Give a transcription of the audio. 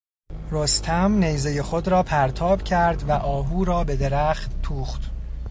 رستم نیزهی خود را پرتاب کرد و آهو را به درخت توخت.